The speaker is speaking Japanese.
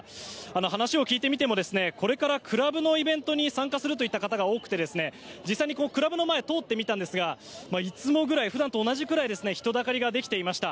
話を聞いてみてもこれからクラブのイベントに参加するといった方が多くて実際にクラブの前を通ってみたんですがいつもぐらい、普段と同じくらい人だかりができていました。